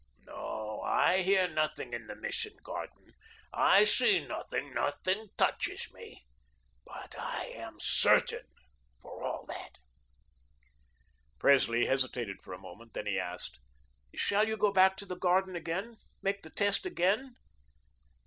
No, I hear nothing in the Mission garden. I see nothing, nothing touches me, but I am CERTAIN for all that." Presley hesitated for a moment, then he asked: "Shall you go back to the garden again? Make the test again?"